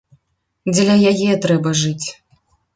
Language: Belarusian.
Дзеля яе трэба жыць.